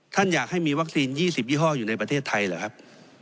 อยากให้มีวัคซีน๒๐ยี่ห้ออยู่ในประเทศไทยเหรอครับ